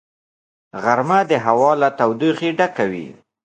غرمه د هوا له تودوخې ډکه وي